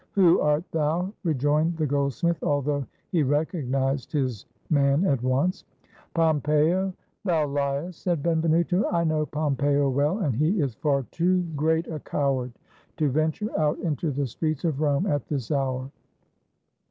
"Who art thou? " rejoined the goldsmith, although he recognized his man at once. " Pompeo." "Thou liest," said Benvenuto; "I know Pompeo well, and he is far too great a coward to venture out into the streets of Rome at this hour."